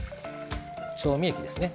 調味液ですね。